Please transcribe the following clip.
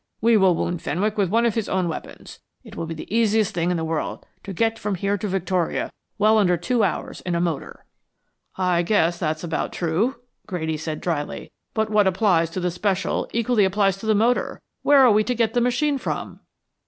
"We will wound Fenwick with one of his own weapons. It will be the easiest thing in the world to got from here to Victoria well under two hours in a motor." "I guess that's about true," Grady said, drily. "But what applies to the special equally applies to the motor. Where are we to get the machine from?"